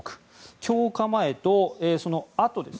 強化前とそのあとです。